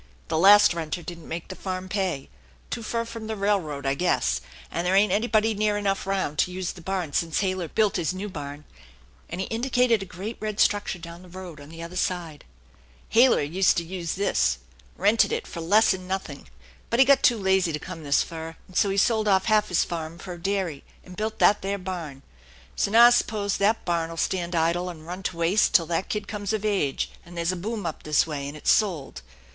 The last renter didn't make the farm pay, too fur from the railroad, I guess, and there ain't anybody near enough round to use the barn since Halyer built his new barn," and he indicated a great red structure down the road on the other side. " Halyer useta use this, rented it fer less'n nothing, but he got too lazy to come this fur, and so he eold off half his farm fer a dairy and built that there barn. So now I s'pose that barn'll stand idle and run to waste till that kid comes of age and there's a boom up this way and it's sold.